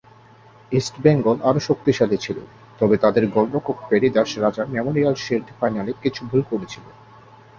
ইস্টবেঙ্গল আরও শক্তিশালী ছিল, তবে তাদের গোলরক্ষক পেরি দাস রাজা মেমোরিয়াল শিল্ড ফাইনালে কিছু ভুল করেছিল।